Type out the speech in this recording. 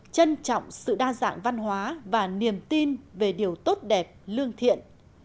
trân trọng sự đa dạng văn hóa và niềm tin về điều tốt đẹp lương thiện